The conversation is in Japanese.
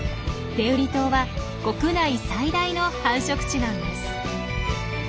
天売島は国内最大の繁殖地なんです。